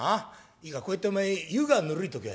いいかこうやっておめえ湯がぬるい時はよ